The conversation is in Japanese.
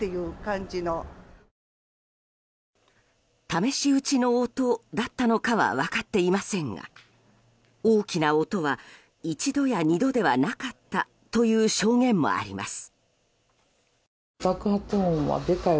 試し撃ちの音だったのかは分かっていませんが大きな音は一度や二度ではなかったという証言もあります。